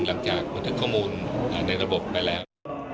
หลังจากผลิตข้อมูลในระบบไปแล้ว